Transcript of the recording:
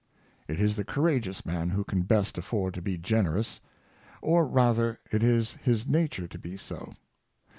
It is the courageous man who can best aiford to be generous; or, rather, it is his nature to be so.